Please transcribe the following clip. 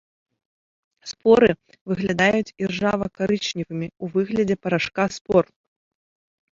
Споры выглядаюць іржава-карычневымі ў выглядзе парашка спор.